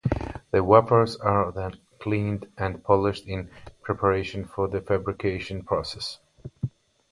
The wafers are then cleaned and polished in preparation for the fabrication process.